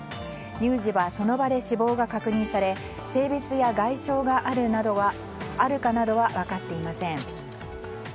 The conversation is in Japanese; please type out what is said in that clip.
乳児はその場で死亡が確認され性別や外傷があるかなどは分かっていません。